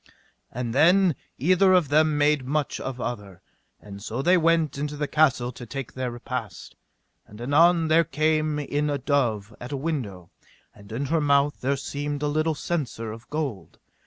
And then either of them made much of other, and so they went into the castle to take their repast. And anon there came in a dove at a window, and in her mouth there seemed a little censer of gold.